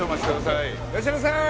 いらっしゃいませ！